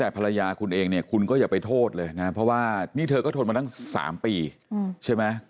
แต่ภรรยาคุณเองเนี่ยคุณก็อย่าไปโทษเลยนะเพราะว่านี่เธอก็ทนมาตั้ง๓ปีใช่ไหม